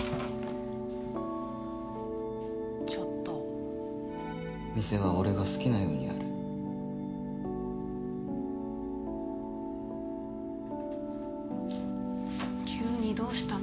ちょっと店は俺が好きなようにやる急にどうしたの？